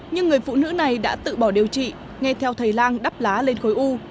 nhưng người phụ nữ này đã tự bỏ điều trị nghe theo thầy lang đắp lá lên khối u